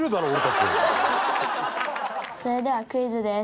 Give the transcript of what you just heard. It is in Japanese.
それではクイズです。